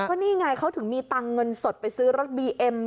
ก็นี่ไงเขาถึงมีตังค์เงินสดไปซื้อรถบีเอ็ม